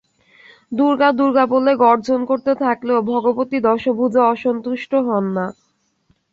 দুর্গা দুর্গা বলে গর্জন করতে থাকলেও ভগবতী দশভুজা অসন্তুষ্ট হন না।